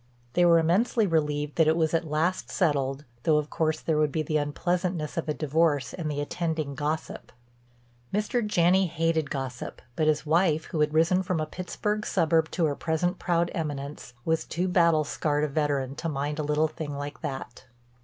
They were immensely relieved that it was at last settled, though of course there would be the unpleasantness of a divorce and the attending gossip. Mr. Janney hated gossip, but his wife, who had risen from a Pittsburg suburb to her present proud eminence, was too battle scarred a veteran to mind a little thing like that.